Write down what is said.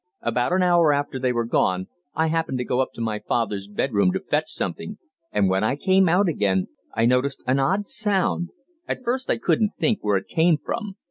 About an hour after they were gone, I happened to go up to father's bedroom to fetch something, and when I came out again I noticed an odd sound at first I couldn't think where it came from.